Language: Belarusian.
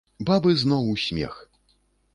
Бабы зноў у смех.